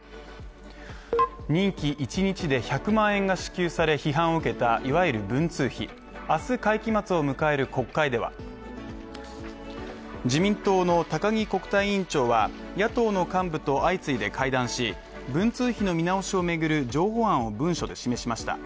任期１日で１００万円が支給され批判を受けた、いわゆる文通費、明日会期末を迎える国会では自民党の高木国対委員長は野党の幹部と相次いで会談し、文通費の見直しをめぐる譲歩案を文書で示しました。